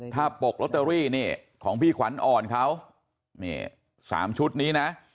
ถ้าปกลอตเตอรี่นี่ของพี่ขวัญอ่อนเขานี่๓ชุดนี้นะ